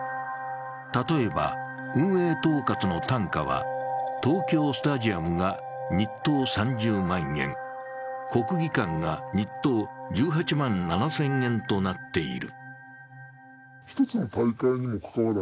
例えば運営統括の単価は東京スタジアムが日当３０万円、国技館が日当１８万７０００円となっている。